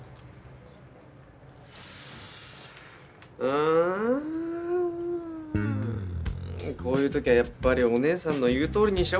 うんこういう時はやっぱりおねえさんの言うとおりにし